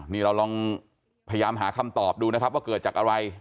นี่เราลองพยายามหาคำตอบดูนะครับว่าเกิดจากอะไร